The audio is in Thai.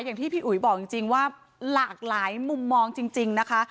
อย่างที่พี่อุ๋ยบอกจริงว่าหลากหลายมุมมองจริงนะคะ